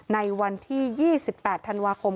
ในวันที่๒๘ธันวาคม